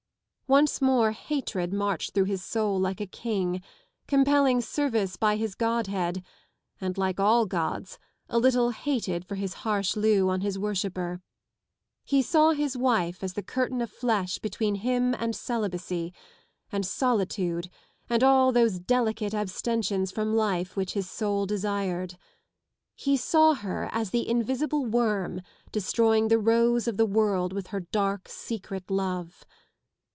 Once more hatred marched through his soul like a king : compelling service by his godhead and, like all gods, a little hated for his harsh lieu on his worshipper. He saw his wife as the curtain of flesh between him and celibacy, and solitude and all those delicate abstentions from life which his soul desired. He saw her as the invisible worm destroying the rose of the world with her dark secret love.